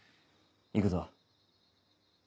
行くぞ。